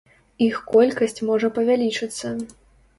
Іх колькасць можа павялічыцца.